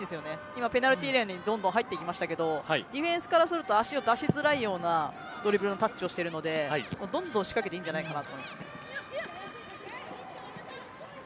今、ペナルティーエリアにどんどん入っていきましたがディフェンスからすると足を出しづらいようなドリブルのタッチをしているのでどんどん仕掛けていいんじゃ韓国戦